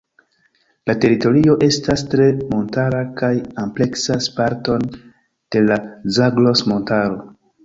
La teritorio estas tre montara kaj ampleksas parton de la Zagros-Montaro.